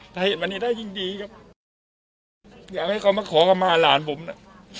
ถ้าเห็นวันนี้ได้ยิ่งดีครับอยากให้เขามาขอคำมาหลานผมน่ะ